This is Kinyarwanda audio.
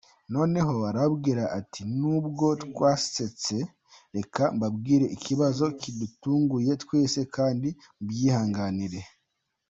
Noneho arababwira ati n’ubwo twasetse, reka mbabwire ikibazo kidutunguye twese kandi mubyihanganire.